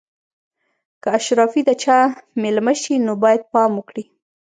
که اشرافي د چا مېلمه شي نو باید پام وکړي.